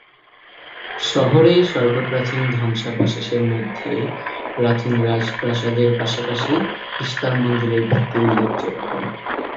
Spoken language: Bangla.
শহরে সর্বপ্রাচীন ধ্বংসাবশেষের মধ্যে প্রাচীন রাজপ্রাসাদের পাশাপাশি ইশতার মন্দিরের ভিত্তি উল্লেখযোগ্য।